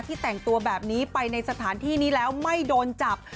แต่งตัวแบบนี้ไปในสถานที่นี้แล้วไม่โดนจับ